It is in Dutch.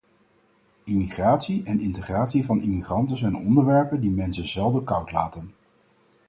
Immigratie en integratie van immigranten zijn onderwerpen die mensen zelden koud laten.